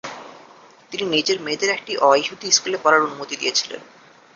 তিনি নিজের মেয়েদের একটি অ-ইহুদি স্কুলে পড়ার অনুমতি দিয়েছিলেন।